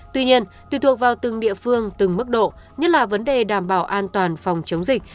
tuy nhiên tùy thuộc vào từng địa phương từng mức độ nhất là vấn đề đảm bảo an toàn phòng chống dịch